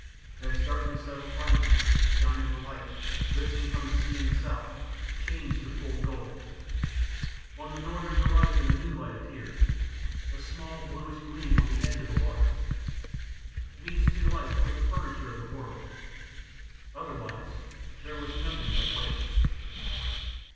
As darkness settled finally, the shine of the light, lifting from the sea in the south, changed to full gold. On the northern horizon a new light appeared, a small bluish gleam on the edge of the waters. These two lights were the furniture of the world. Otherwise there was nothing but waves.